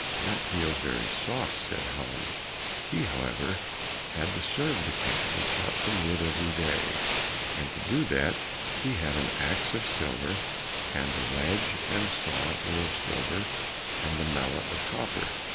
"That feels very soft!" said Hans. He, however, had to serve the cat, and chop some wood every day, and to do that, he had an axe of silver, and the wedge and saw were of silver and the mallet of copper.